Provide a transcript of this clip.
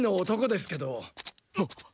あっ。